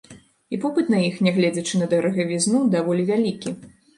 І попыт на іх, нягледзячы на дарагавізну, даволі вялікі.